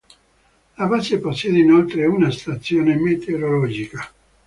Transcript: La base possiede inoltre una stazione meteorologica.